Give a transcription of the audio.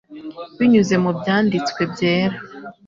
Binyuze mu Byanditswe Byera,